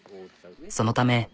そのため。